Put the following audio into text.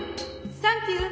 サンキュー。